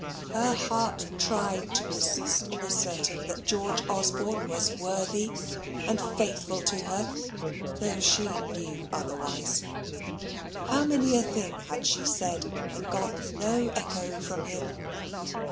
Her heart tried to persist in asserting that George Osborne was worthy and faithful to her, though she knew otherwise. How many a thing had she said, and got no echo from him.